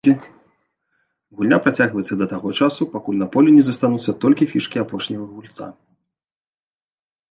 Гульня працягваецца да таго часу, пакуль на полі не застануцца толькі фішкі апошняга гульца.